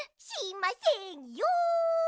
しませんよ。